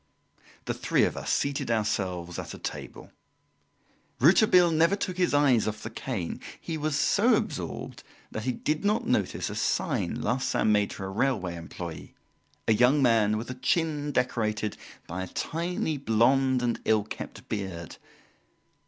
The three of us seated ourselves at a table. Rouletabille never took his eyes off the cane; he was so absorbed that he did not notice a sign Larsan made to a railway employeee, a young man with a chin decorated by a tiny blond and ill kept beard.